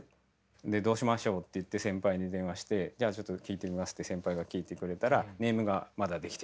でどうしましょうっていって先輩に電話してじゃあちょっと聞いてみますって先輩が聞いてくれたらネームがまだ出来てないと。